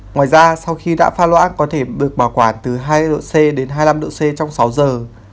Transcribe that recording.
ngoài ra sau khi đã pha loãng có thể được bảo quản từ hai độ c đến hai mươi năm độ c trong sáu giờ